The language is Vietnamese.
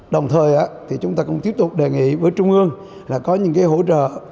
đồng thời thì chúng ta cũng tiếp tục đề nghị với trung ương là có những hỗ trợ